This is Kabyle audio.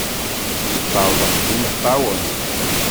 Yeṭṭerḍeq d imeṭṭawen.